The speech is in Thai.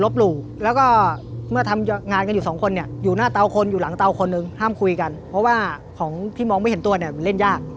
เพราะว่าของที่มองไม่เห็นตัวเนี่ยมันเล่นยาก